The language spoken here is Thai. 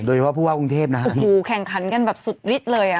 ผู้ว่ากรุงเทพนะฮะโอ้โหแข่งขันกันแบบสุดฤทธิ์เลยอ่ะ